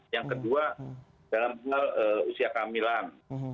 yang kedua dalam hal usia kehamilan